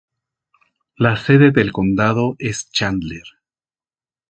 La sede del condado es Chandler.